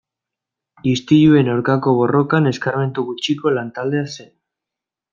Istiluen aurkako borrokan eskarmentu gutxiko lan-taldea zen.